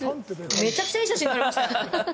めちゃくちゃいい写真撮れましたよ。